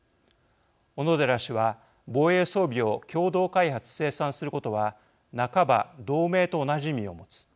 小野寺氏は防衛装備を共同開発・生産することは半ば同盟と同じ意味を持つ。